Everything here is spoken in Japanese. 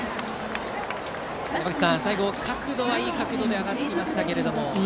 山口さん、最後、角度はいい角度で上がってきました。